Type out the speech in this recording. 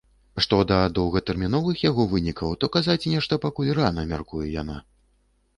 Што да доўгатэрміновых яго вынікаў, то казаць нешта пакуль рана, мяркуе яна.